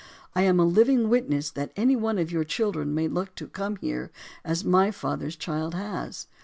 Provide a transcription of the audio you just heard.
I am a living witness that any one of your children may look to come here as my father's child has.